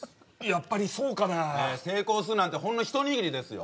やっぱりそうかなあええ成功するなんてほんの一握りですよ